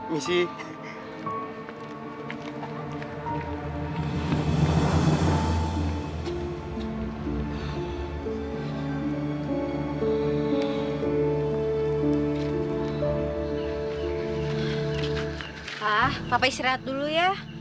wah papa istirahat dulu ya